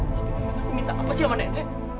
tapi memang aku minta apa sih sama nenek